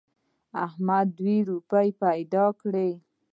احمد دوه روپۍ پیدا کړې.